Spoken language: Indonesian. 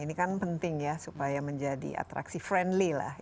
ini kan penting ya supaya menjadi atraksi friendly lah